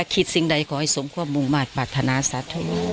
คิดสิ่งใดของให้สมความมุ่งมากปรารถนาสัตวิน